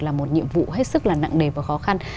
là một nhiệm vụ hết sức là nặng đề và khó khăn